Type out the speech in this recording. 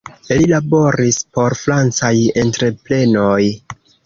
Li laboris por francaj entreprenoj.